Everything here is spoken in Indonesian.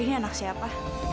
ini anak siapa